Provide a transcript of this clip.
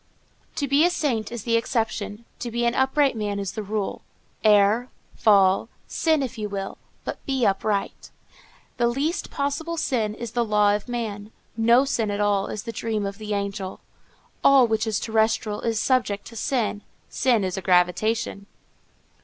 "To be a saint is the exception; to be an upright man is the rule. Err, fall, sin if you will, but be upright. "The least possible sin is the law of man. No sin at all is the dream of the angel. All which is terrestrial is subject to sin. Sin is a gravitation."